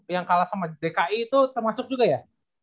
yang kalah sama dki itu termasuk juga ya